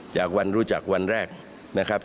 จากวันรู้จักวันแรกนะครับ